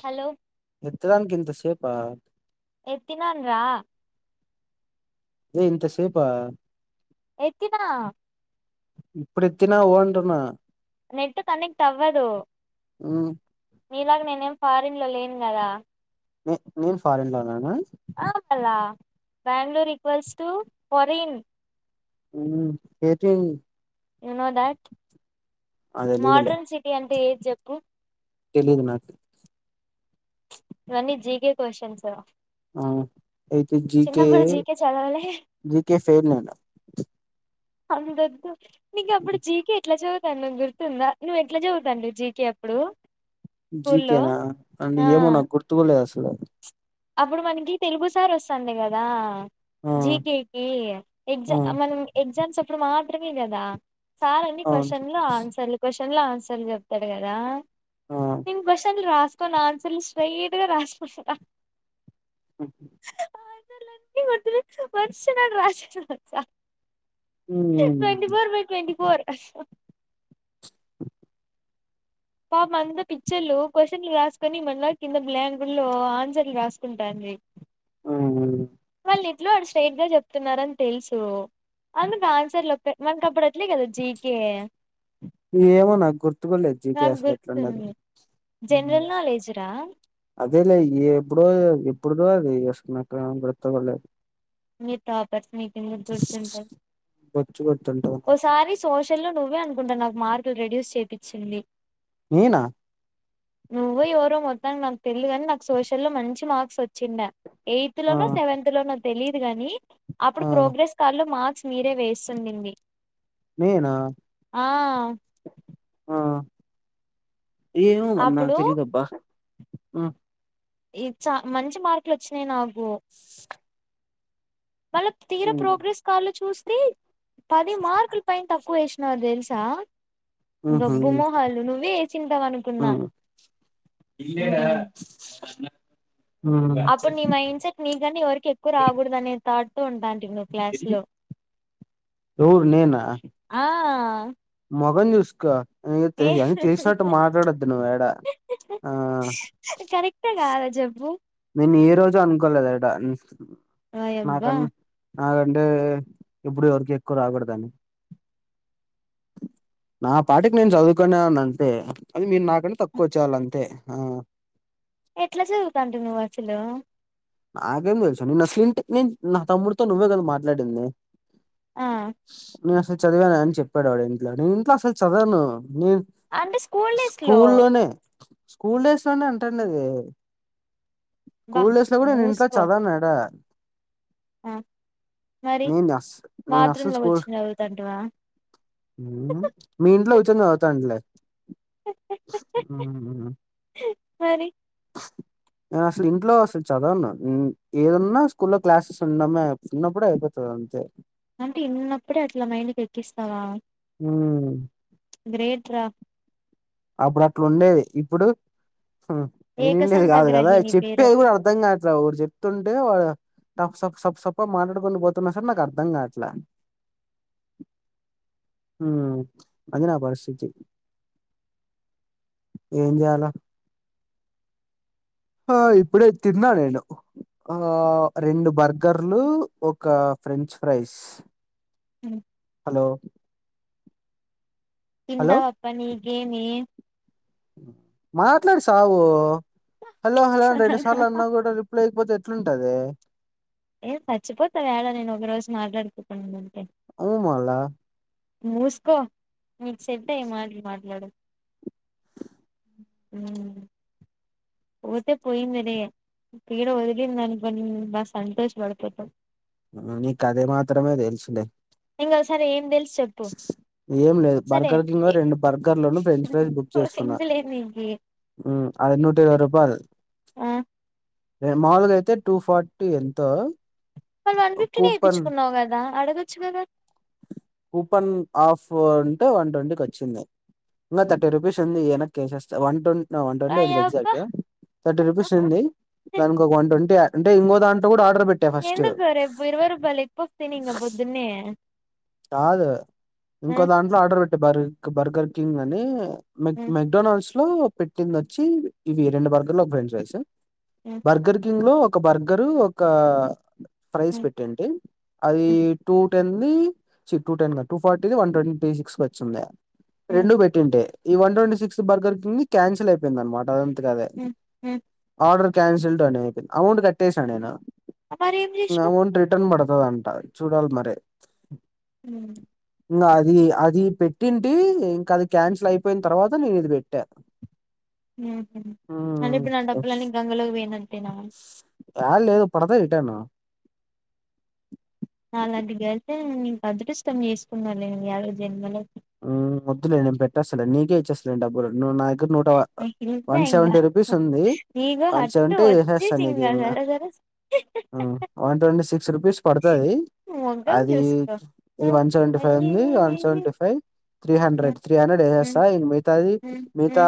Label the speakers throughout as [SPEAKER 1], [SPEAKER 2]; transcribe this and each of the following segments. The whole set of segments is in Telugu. [SPEAKER 1] హలో.
[SPEAKER 2] ఎత్తడనికి ఇంత సేపా.
[SPEAKER 1] ఎత్తినండ్రా.
[SPEAKER 2] అదే ఇంత సేపా.
[SPEAKER 1] ఎత్తిన్న.
[SPEAKER 2] ఇప్పుడు ఎత్తినవు అంటున్న.
[SPEAKER 1] నెట్ కనెక్ట్ అవ్వదు.
[SPEAKER 2] మ్మ్
[SPEAKER 1] మీలాగ నేనేం ఫారెన్లో లేను కదా.
[SPEAKER 2] నే నేను ఫారెన్ లొ
[SPEAKER 1] అవు మాల Bangalore request to foreign.
[SPEAKER 2] Um ఏచేన్.
[SPEAKER 1] యు నో దాట్
[SPEAKER 2] ఆ తెలీదులే
[SPEAKER 1] మోడ్రన్ సిటీ అంటే ఏది చెప్పు.
[SPEAKER 2] తెలీదు నాకు.
[SPEAKER 1] ఇవన్నీ జికె క్వశ్చన్స్.
[SPEAKER 2] ఆహ్ అయితే జీకె
[SPEAKER 1] చిన్నప్పుడు జీకే చదవలే
[SPEAKER 2] జీకె ఫేం నాన్.
[SPEAKER 1] అమ్ దద్దు నీకు అప్పుడు జీకె ఎట్లా చదు ఆహ్ నీకు గుర్తుందా నువ్వు ఎట్లా చదువుతాంటివి జీకే అప్పుడు. స్కూల్లో
[SPEAKER 2] జీకేనా అది
[SPEAKER 1] ఆ
[SPEAKER 2] ఏమో నాకు గుర్తుకూడ లేదు అసలు.
[SPEAKER 1] అప్పుడు మనకి తెలుగు సార్ వస్తుండే కదా.
[SPEAKER 2] ఆ
[SPEAKER 1] జీకెకి
[SPEAKER 2] ఆ
[SPEAKER 1] ఎగజా మనం ఎగ్జామ్స్ అప్పుడు మాత్రమే కదా. సార్ అన్ని
[SPEAKER 2] అవును
[SPEAKER 1] క్వశ్చన్లు ఆన్సర్లు క్వశ్చన్లు ఆన్సర్లు చెప్తాడు కదా.
[SPEAKER 2] ఆ
[SPEAKER 1] నేను క్వశ్చన్లు రాసుకోను ఆన్సర్లు స్ట్రైట్ గా రాసుకుంటా.
[SPEAKER 2] ఉమ్.
[SPEAKER 1] ఆన్సర్లన్నీ ఫస్ట్ నుంచి వరుసగా రాసుకుంటా. Twenty
[SPEAKER 2] hmm
[SPEAKER 1] four by twenty four పాప అంతా పిక్చర్లు క్వశ్చన్లు రాసుకొని మన్న కింద బలాంగ్వడ్ [unintelligible] లో ఆన్సర్లు రాసుకుంటాను ఏ
[SPEAKER 2] హూ హమ్
[SPEAKER 1] ఎట్లా వాల్లు స్ట్రైట్ గా చెప్తున్నారని తెలుసు అందుకు ఆన్సర్లు మనకి అప్పుడు అట్లే కదా జీకే
[SPEAKER 2] ఏమో నాకు గుర్తు కో లేదు జీకే
[SPEAKER 1] నాకు
[SPEAKER 2] అసలు ఎట్ల ఉండాది
[SPEAKER 1] గుర్తుంది జనరల్ నాలెడ్జ్ రా
[SPEAKER 2] అదేలే ఎప్పుడ ఎప్పుడుదో అది వసుకున్న [unintelligible] గుతలేదు
[SPEAKER 1] మీతపర్స్ని [unintelligible] ఎందుకు గుర్తుంటది
[SPEAKER 2] బొచ్చు గుర్తుంటది
[SPEAKER 1] ఓసారి సోషల్ లో నువ్వే అనుకుంటా నాకు మార్కు రెడ్యూస్ చేపిచింది
[SPEAKER 2] నేనా
[SPEAKER 1] నువ్వో ఎవరో మొత్తానికి నాకు తెలియధు కాని నాకు సోషల్లో లో మంచి మార్క్స్ వచ్చిండా ఎయిత్
[SPEAKER 2] ఆ
[SPEAKER 1] లోనో సెవెంత్ లోనో తెలియదు గాని
[SPEAKER 2] ఆ
[SPEAKER 1] అప్పుడు ప్రోగ్రెస్ కార్డ్ లో మార్క్స్ మీరే వేసిండింది
[SPEAKER 2] నేనా
[SPEAKER 1] ఆ
[SPEAKER 2] ఆ ఏమో మరి నాకు
[SPEAKER 1] అప్పుడు
[SPEAKER 2] తెలియదబ్బా
[SPEAKER 1] ఈ చ మంచి మార్కులు వచ్చినాయి నాకు మళ్ళ తీర ప్రోగ్రెస్ కార్డ్ లో చూస్తే పది మార్కులు పైన తక్క వ ఏషినారు తెలుసా
[SPEAKER 2] ఆహా
[SPEAKER 1] గబ్బు మోహాలు నువ్వే ఏసింటావనుకున్నా
[SPEAKER 2] ఇల్ేడా [unintelligible]
[SPEAKER 1] అప్పుడు నీ మైండ్ సెట్ నీకంటే ఎవరికి ఎక్కువ రాకూడదు అనే థాట్ తో ఉంటాటి నువ్వు క్లాస్ లో
[SPEAKER 2] ఎవురు నేనా
[SPEAKER 1] ఆ
[SPEAKER 2] మొకం చూసుకో నీకు
[SPEAKER 1] ఏ
[SPEAKER 2] తె- అని తెలిసినట్టు మాట్లాడొద్దు నువ్వు ఏడ ఆ
[SPEAKER 1] కరెక్టా కాాలజ [unintelligible] చెప్పు
[SPEAKER 2] నేను ఏ రోజు అనుకోలేదట
[SPEAKER 1] వాయి అబ్బా
[SPEAKER 2] నాగంటే ఇప్పుడు ఎవరికి ఎక్కువ రాకూడదని నా పాటికి నేను చదువుకునే వాడిని అంతే కానీ మీరు నాకన్నా తక్కువ వచ్చేవాలంతే ఆ
[SPEAKER 1] ఎట్లా చదువుతాంటివి నువ్వు అసలు
[SPEAKER 2] నాకేం తెలుసు నా స్ంట [unintelligible] నేను నా తమ్ముడితో నువ్వే కదా మాట్లాడింది
[SPEAKER 1] ఆ
[SPEAKER 2] నేను అసలు చదివను అని చెప్పాడు ఆడు ఇంట్లో నేను ఇంట్లో అసలు చదవను నేను
[SPEAKER 1] అంటే స్కూల్ డేస్
[SPEAKER 2] స్కూ
[SPEAKER 1] లో
[SPEAKER 2] లోనే స్కూల్ డేస్ లోనే అంటండేది
[SPEAKER 1] బా
[SPEAKER 2] స్కూల్ డేస్ లో కూడా నేను ఇంట్లో
[SPEAKER 1] మూసుకో
[SPEAKER 2] చదావనుఆడ
[SPEAKER 1] ఆ
[SPEAKER 2] స
[SPEAKER 1] మరి
[SPEAKER 2] [unintelligible] నను నను అస
[SPEAKER 1] బాత్రూమ్ లోకి
[SPEAKER 2] స్కోల్
[SPEAKER 1] వచ్చి చదువుతాంటివా
[SPEAKER 2] [unintelligible] ఉం మీ ఇంట్లో ఇచ్చతాలే [unintelligible]
[SPEAKER 1] హరి
[SPEAKER 2] చ్ నేను అసలు ఇంట్లో అసలు చదువను ఏదన్నా స్కూల్లో క్లాసెస్ ఉండమే ఉన్నప్పుడే అయిపోతుంది అంతే
[SPEAKER 1] అంటే విన్నప్పుడే అట్లా మైండ్ కి ఎక్కిస్తావా
[SPEAKER 2] ఉమ్,
[SPEAKER 1] గ్రేట్ రా
[SPEAKER 2] అప్పుడు అట్లా ఉండేది ఇప్పుడు ఇనుండది కాదు కదా
[SPEAKER 1] ఏకసంతగ్రహిని పేరు
[SPEAKER 2] చెప్పేది కూడా అర్థం కాదు అట్లా ఒకరు చెప్తుంటే వాడు సార్ సప్పు సప్పు సప్పు మాట్లాడుకుని పోతున్నా సార్ నాకు అర్ధం కావట్లేదు ఉ అది నా పరిస్థితి ఏం చేయాలా ఆ ఇప్పుడే తిన్నా నేను ఆ రెండు బర్గర్లు ఒక ఫ్రెంచ్ ఫ్రైస్
[SPEAKER 1] ఉ
[SPEAKER 2] హలో
[SPEAKER 1] తింటావ్ అప్ప నీ కెమీ
[SPEAKER 2] మాట్లాడి సావు హలో హలో అండి రెండు సార్లు అన్న కూడా రిప్లై ఇవ్వకపోతే ఎట్లుంటది
[SPEAKER 1] ఏం చచ్చిపోతా వేళ నేను ఒక రోజు మాట్లాడకుండ ఉంటే
[SPEAKER 2] ఔ మల్ల
[SPEAKER 1] మూసుకో చెడిపోయే మాటలు మాట్లాడకు ఉ పోతే పోయిందలే పీడ వదిలింది అనుకొని సంతోషపడపోతవ్
[SPEAKER 2] నీ కథే మాత్రమే తెలుసులే
[SPEAKER 1] ఇంకొసారి ఏం తెలుసు చెప్పు
[SPEAKER 2] ఏం లేదు
[SPEAKER 1] సరే
[SPEAKER 2] బర్గర్ రెండు బర్గర్లను ఫ్రెంచ్ ఫ్రైస్ బుక్ చేసుకున్నా
[SPEAKER 1] సింగిలే నీకి
[SPEAKER 2] ఉ ఆవి నూట ఇరవై రూపాయలు
[SPEAKER 1] ఆ
[SPEAKER 2] మాముూలుగా అయితే టూ ఫార్టీ ఎంతో
[SPEAKER 1] మరి వన్ ఫిఫ్టనే
[SPEAKER 2] కూపన్
[SPEAKER 1] ఏపిచ్చుకున్నావు కదా అడగొచ్చు కదా
[SPEAKER 2] ఓపెన్ పెన్ ఆఫ్ అంటే వన్ ట్వంటీకి వచ్చింది ఇంకా థర్టీ రూపీస్ ఉంది వెనక్ కేసేస్తా వన్ ట్వంటీ నా వన్ ట్వంటీ ఉంది
[SPEAKER 1] అయ్యబ్బా
[SPEAKER 2] ఎగ్జాక్ట్ గా థర్టీ రూపీస్ ఉంది దానికి ఒక వన్ ట్వంటీ అంటే ఇంకో దాంట కూడా ఆర్డర్ పెట్టా ఫస్ట్
[SPEAKER 1] ఎందకులే రేపు ఇరువై రూపాయల ఎగ్ పప్పు తిని పొద్దున్నే
[SPEAKER 2] కాదు ఇంకొ దాంట్లో ఆర్డర్ పెట్టి బర్గర్ కింగ్ అని మెక్ మెక్డొనాల్డ్స్ లో పెట్టింది వచ్చి ఇవి రెండు బర్గర్ లో ఒక ఫ్రెంచ్ రైస్ బర్గర్ కింగ్ లో ఒక బర్గరు ఒక ఫ్రైస్ పెట్టటింటి అది టూట్ న్ని two ten two forty one twenty six వచ్చింది రెండు పెట్టింటే ఈ వన్ ట్వంటీ సిక్స్ బర్గర్ కి క్యాన్సిల్ అయిపోయింది అనమాట దానంతట అదే ఆర్డర్ క్యాన్సల్ డు అమౌంట్ కట్టేశాను
[SPEAKER 1] మరి ఏం చేసినావ్
[SPEAKER 2] అమౌంట్ రిటర్న్ పడతది అంట చూడాలి మరి
[SPEAKER 1] ఉ
[SPEAKER 2] ఇంకా అది అది పెట్టింటి ఇంకా అది క్యాన్సిల్ అయిపోయిన తర్వాత నేను ఇది పెట్టాను
[SPEAKER 1] అంటే ఇప్పుడు నా డబ్బులన్నీ గంగలో పోయినట్టేనా
[SPEAKER 2] ఆ లేదు పడతే రిటర్న్ ను
[SPEAKER 1] నేను అదృష్టం చేసుకున్నా నేను యాదో జన్మలో
[SPEAKER 2] వద్దు నేను పెట్టేస్తాలే నీకే ఇచ్చేస్తాలేను డబ్బులు ను నా దగ్గర నోట
[SPEAKER 1] ఇంతే
[SPEAKER 2] వన్
[SPEAKER 1] ఇంగ
[SPEAKER 2] సెవెంటీ రూపీస్ ఉంది
[SPEAKER 1] ఇగో
[SPEAKER 2] వన్
[SPEAKER 1] అట్టు
[SPEAKER 2] సెవెంటీ చేస్తేస్త
[SPEAKER 1] వచ్చేసి
[SPEAKER 2] నేన్
[SPEAKER 1] ఇంగ
[SPEAKER 2] ఇంకా
[SPEAKER 1] జర జర
[SPEAKER 2] వన్ ట్వంటి సిక్స్ రూపీస్ పడుతుది
[SPEAKER 1] మొఖం
[SPEAKER 2] అది
[SPEAKER 1] చూసుకో
[SPEAKER 2] ఇది వన్ సెవెీ ఫైవ్ ఉంది వన్ సెవెంటీ
[SPEAKER 1] అయ్యయ్యయ్యయ్యో
[SPEAKER 2] five three hundred three hundred వేసెస్తా మిగతాది మిగతా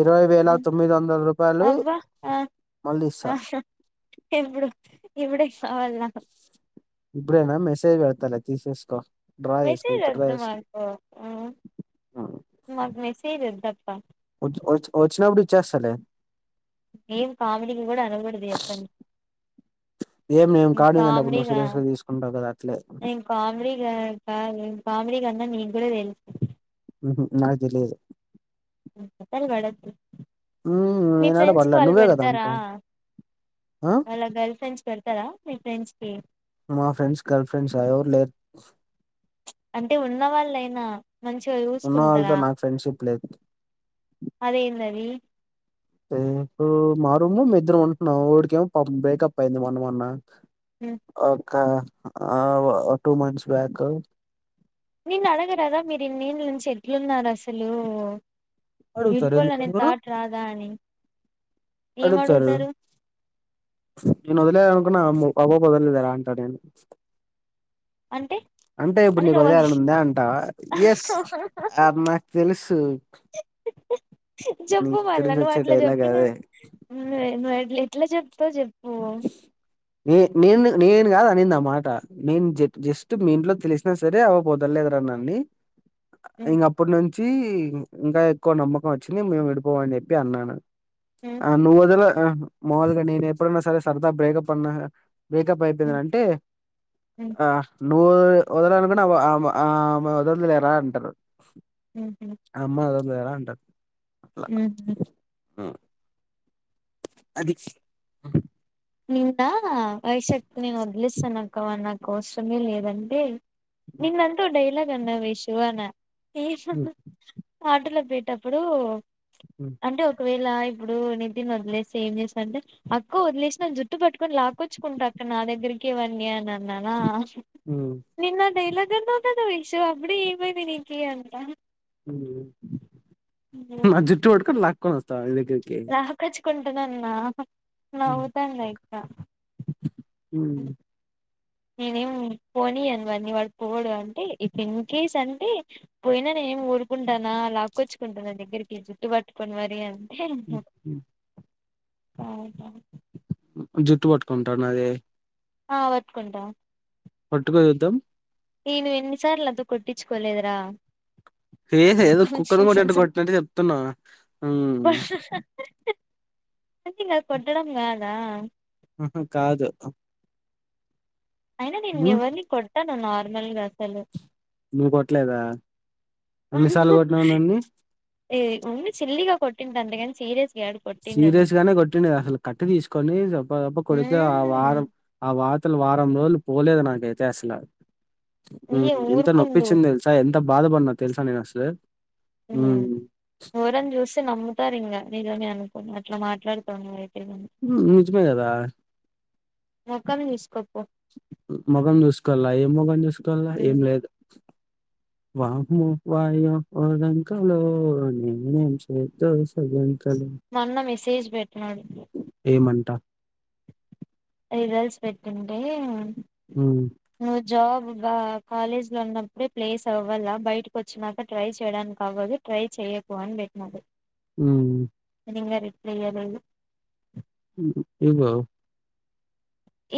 [SPEAKER 2] ఇరవై వేల తొమ్మిది వందల ర
[SPEAKER 1] అవ్వ ఆ
[SPEAKER 2] మల్లి ఇస్త
[SPEAKER 1] ఎప్పుడు ఇప్పుడే కావాలి నాకు
[SPEAKER 2] ఇప్పుడేన మెసేజ్ పెడతాలే తీసేస్కో
[SPEAKER 1] మెసేజ్ వద్దు
[SPEAKER 2] ఉం.
[SPEAKER 1] మాకు మెసేజ్ వద్దబ్బా
[SPEAKER 2] వచ్ వచ వచ్చినప్పుడు ఇచ్చేస్తలే
[SPEAKER 1] ఏం కామెడీకి కూడ అనకూడదు ఎప్ప
[SPEAKER 2] ఏం నేను కార్డుంగ్ అన్నప్పుడు నువ్వు
[SPEAKER 1] కామెడిగ
[SPEAKER 2] సీరియస్ గా తీసుకుంటావు కదా అట్లే
[SPEAKER 1] అది కామెడిగా కాదు కాయీడిగా అన్న నీక్కూడా తెలుసి
[SPEAKER 2] ఉహు నాక్ తెలియదు
[SPEAKER 1] పెడద్దు మీ
[SPEAKER 2] నేనాడ
[SPEAKER 1] ఫ్రెండ్స్ కి
[SPEAKER 2] పడలే
[SPEAKER 1] వాళ్ళు
[SPEAKER 2] నువ్వే కదా
[SPEAKER 1] పెడతారా
[SPEAKER 2] అంటావు ఆ?
[SPEAKER 1] వాల్లా గర్ల్ ఫ్రెండ్స్ పెడతరా మీ ఫ్రెండ్స్ కి
[SPEAKER 2] మా ఫ్రెండ్స్ గర్ల్ ఫ్రెండ్స్ ఆ ఎవర్ లేర్
[SPEAKER 1] అంటే ఉన్నవాళ్ళయినా మంచిగా
[SPEAKER 2] ఉన్న
[SPEAKER 1] చూసుకుంటరా
[SPEAKER 2] వాళ్ళతో నాకు ఫ్రెండ్షిప్ లేదు
[SPEAKER 1] అదేందది
[SPEAKER 2] ఇప్పుడు మా రూమ్ లో ఇద్దరం ఉంటున్నాం ఒడికేమో బ్రేకప్ అయి్యంది మొన్న వన్న
[SPEAKER 1] ఉ
[SPEAKER 2] క ఒక టూ మంత్స్ బ్యాక్
[SPEAKER 1] నిన్న అడగరాద మీరు ఇన్నిళ్ నుంచి ఎట్లున్నారు అసలు
[SPEAKER 2] అడుగుతారు ఎందుకు
[SPEAKER 1] విడిపోల తాట్ రాధా అని ఏం
[SPEAKER 2] అడుతారు
[SPEAKER 1] అడుగుతారు
[SPEAKER 2] నేను వదిలే అనుకున్న బబ్బా పొదలేదు ఎలా అంటాడు నేను
[SPEAKER 1] అంటె
[SPEAKER 2] అంటే ఇప్పుడు నీకు ఉదయాల ఉందా అంటావ ఎస్ నాకు తెలుసు నీ
[SPEAKER 1] చెప్పు
[SPEAKER 2] దగ్గర
[SPEAKER 1] మల్లా
[SPEAKER 2] నుంచి
[SPEAKER 1] నువ్
[SPEAKER 2] వచ్చే
[SPEAKER 1] అట్ల జెబ్
[SPEAKER 2] డైలాగ్ అదే
[SPEAKER 1] ఎట్లా జబ్త ఓ
[SPEAKER 2] నే నేను నేను కాదు అనింది నా మాట నేను జె జెస్ట్ మీ ఇంట్లో తెలిసినా సరే అవ్వబపోద లేదరా నన్నీ ఇంక అప్పటి నుంచి ఇంక ఎక్కువ నమ్మకం వచ్చింది మేము విడిపోమని చెప్పి అన్నాను ఆ నువ్వుదుల మాముల్గా నేను ఎప్పుడన్నా సరే సరదా బ్రౌకప్ అన్న బ్రేకప్ అయిపోయింది అంటే ఆ నువ్వు వదలనుకుని ఆమె వదలదలేరా అంటారు అమ్మ అద వెలా ఉంటదు
[SPEAKER 1] ఊహు
[SPEAKER 2] ఉ అది
[SPEAKER 1] నింద వయశట్ న వద్లి స్తనక్క కోసమే లేదంటే నిన్నంతా డైలాగ్ అన్నావె షి వాన ఏ
[SPEAKER 2] హ్మ్
[SPEAKER 1] షాపుల ఆటోలో పోయేటప్పుడు
[SPEAKER 2] హ్మ్
[SPEAKER 1] అంటే ఒకవే ళ ఇప్పుడు నితిన్ ని వదిలేస్తే ఏం చేస్త అంటే అక్క వదిలేస్ నేన్ జుట్టు పట్టుకుని లాక్కొచ్చుకుంటా అక్క నా దగ్గరికి వాన్ని అన్నా న్నానా
[SPEAKER 2] హ్మ్
[SPEAKER 1] నిన్న డైలాగ్ అన్నవ్ గాదా యషు అప్పుడే ఏమైంది నీకి అంత
[SPEAKER 2] ఉమ్ నా జుట్టు పట్కొని లాక్కొకుని వస్తవా ఇ
[SPEAKER 1] లాకొచ్చుకుంటున్నా అన్నా
[SPEAKER 2] ఉమ్,
[SPEAKER 1] నవ్వుతుంది ఇంకా
[SPEAKER 2] ఉమ్
[SPEAKER 1] నేనేం పోనీయన్ వాడ్ని వాడు పోడు అంటే ఇఫ్ ఇన్ కేస్ అంటే పోయినా నేనేం ఊరుకుంటానా లాక్కొచ్చుకుంటాను దగ్గరికి జుట్టు పట్టుకొని మరి అని
[SPEAKER 2] ఉమ్ హు
[SPEAKER 1] బాగా
[SPEAKER 2] జుట్టు పట్టుకుంటావ్ నాదీ
[SPEAKER 1] ఆ పట్టుకుంటా
[SPEAKER 2] పట్టుకో చూద్దాం
[SPEAKER 1] ఈ నువ్ ఎన్ని సార్లు నాతో కొట్టిచ్చుకోలేదురా
[SPEAKER 2] ఏ ఏదో కుక్కని కొట్టినట్టు కొట్టినట్టు చెప్తున్నవ్ ఉమ్
[SPEAKER 1] అయితే అది కొట్టడం గాదా
[SPEAKER 2] ఆహా కాదు
[SPEAKER 1] అయినా నేను ఎవరిని కొట్టను నార్మల్గా అసలు
[SPEAKER 2] నువ్ కొట్లేదా
[SPEAKER 1] ఏ ఉమ్ సిల్లిగా కొట్టిందంతే గాని సీరియస్
[SPEAKER 2] సీరియస్ గానే కొట్టిండుగా అసలు కట్టె తీసుకొని జప్ప జప్ప కొడితే ఆ వారం ఆ వా అసల్ వారం రోజులు పోలేదు నాకైతే అసలు
[SPEAKER 1] ఇయ్య
[SPEAKER 2] ఎంత
[SPEAKER 1] ఊరుకుండు
[SPEAKER 2] నొప్పించింది తెలుసా ఎ ఎంత బాధపడిన్నా తెలుసా నేను అసలు
[SPEAKER 1] ఉమ్
[SPEAKER 2] హ్మ్
[SPEAKER 1] ఎవరన్నా జూస్తే నమ్ముతారు ఇంగా నిజమే అనుకుని అట్లా మాట్లాడుతవ్ నువ్వు
[SPEAKER 2] ఉమ్ నిజమే గదా
[SPEAKER 1] మొఖాన్ని చూసుకోపో
[SPEAKER 2] మొగం జూసుకోవలా ఏం మొగం జూసుకోవాలా ఏం లేదు వామ్మో వాయ్యో ఒల్లెంకలో నేనేం చెద్దు సల్లెంకలో
[SPEAKER 1] మొన్న మెసేజ్ బెట్టి నాడు
[SPEAKER 2] ఏమంటా
[SPEAKER 1] రిజల్స్ పెట్టుండే
[SPEAKER 2] ఉమ్
[SPEAKER 1] జాబ్గా కాలేజ్ లో ఉన్నప్పుడే ప్లేస్ అవ్వాల బయటకు వచ్చినాక ట్రై చేయడానికి అవ్వదు ట్రై చేయకు అని బెట్టినాడు
[SPEAKER 2] ఉమ్
[SPEAKER 1] ఇంగ రిప్లే ఇయ్యలేదు
[SPEAKER 2] ఉమ్ హు ఏందో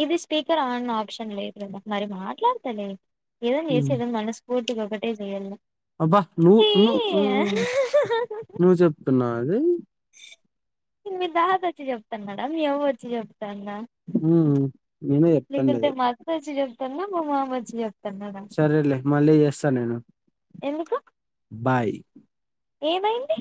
[SPEAKER 1] ఇది స్పీకర్ ఆన్ ఆప్షన్ లేదు గదా మరి మాట్లాడతలే ఏదైనా చేసి
[SPEAKER 2] హ్మ్
[SPEAKER 1] ఏదైనా మనసు పూర్తిగా ఒకట్టే జేయాలా
[SPEAKER 2] అబ్బా నువ్ ను నువ్ నువ్ జెప్తున్నవా అది
[SPEAKER 1] మీ తాత వచ్చి జెప్తున్నడా మీ అవ్వ వచ్చి జెప్తుందా
[SPEAKER 2] ఉమ్
[SPEAKER 1] లేకుంటే మా అత్త వచ్చి జెప్తుందా మా మామ వచ్చి జెప్
[SPEAKER 2] సరేలే మళ్ళీ జేస్తా నేను
[SPEAKER 1] ఎందుకు
[SPEAKER 2] బాయ్
[SPEAKER 1] ఏమైంది